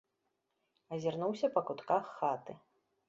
Азірнуўся па кутках хаты.